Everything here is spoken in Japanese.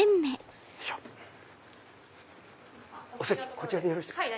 こちらでよろしいですか？